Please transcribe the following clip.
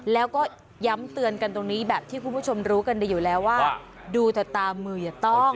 แล้วก็ย้ำเตือนกันตรงนี้แบบที่คุณผู้ชมรู้กันได้อยู่แล้วว่าดูแต่ตามมืออย่าต้อง